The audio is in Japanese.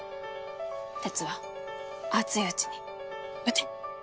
鉄は熱いうちに打て。